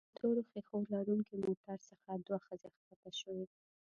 د تورو ښيښو لرونکي موټر څخه دوه ښځې ښکته شوې.